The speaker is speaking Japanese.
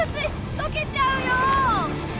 溶けちゃうよ！